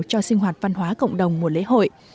cho sinh hoạt văn hóa cộng đồng mùa lễ hội